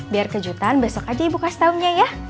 biar kejutan besok aja ibu kasih tau nya ya